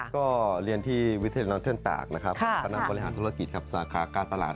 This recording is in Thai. ก็เรียนที่วิทยาลัยน้องเทื่อนตากพนักบริหารธุรกิจสาขาการตลาด